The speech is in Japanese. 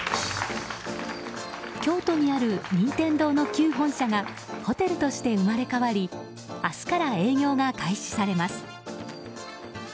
京都にある任天堂の旧本社がホテルとして生まれ変わり明日から営業が開始されます。